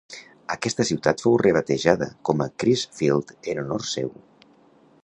Aquesta ciutat fou rebatejada com a Crisfield en honor seu.